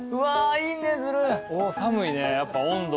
寒いねやっぱ温度。